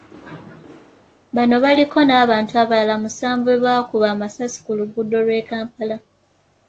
Bano baliko n’abantu abalala musanvu be baakuba amasasi ku luguudo lw'e Kampala.